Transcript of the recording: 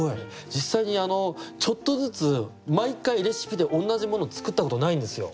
実際にちょっとずつ毎回レシピで同じもの作ったことないんですよ。